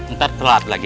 ntar telat lagi